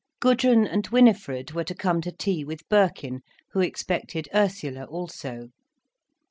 Gudrun and Winifred were to come to tea with Birkin, who expected Ursula also.